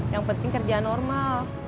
yang penting kerjaan normal